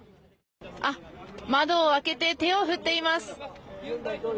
あっ、窓を開けて手を振っています。